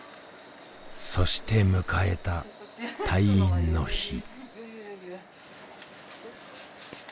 そして迎えた退院の日。